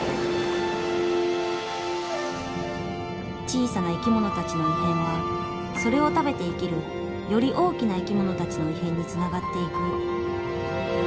小さな生き物たちの異変はそれを食べて生きるより大きな生き物たちの異変につながっていく。